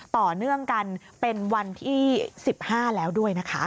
ต่อเนื่องกันเป็นวันที่๑๕แล้วด้วยนะคะ